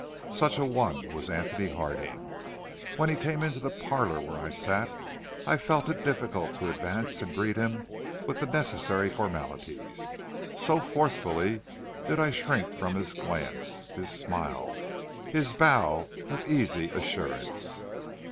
Such a one was Antony Harding. When he came into the parlor where I sat, I felt it difficult to advance and greet him with the necessary formalities, so forcibly did I shrink from his glance, his smile, his bow of easy assurance.